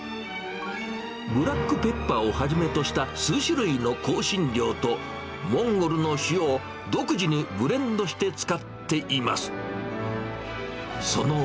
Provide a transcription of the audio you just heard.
ブラックペッパーをはじめとした数種類の香辛料と、モンゴルの塩を独自にブレンドして使っています。